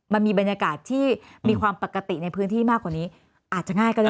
มันมีบรรยากาศที่มีความปกติในพื้นที่มากกว่านี้อาจจะง่ายก็ได้